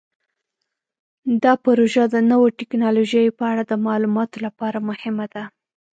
دا پروژه د نوو تکنالوژیو په اړه د معلوماتو لپاره هم مهمه ده.